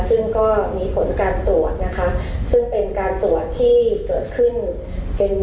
ซึ่งก็มีผลการตรวจนะคะซึ่งเป็นการตรวจที่เกิดขึ้นเป็น